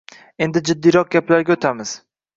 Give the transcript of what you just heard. Endi jiddiroq gaplarga o’tamiz